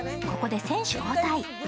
ここで選手交代。